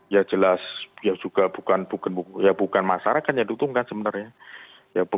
ya jelas bukan masyarakat yang diuntungkan sebenarnya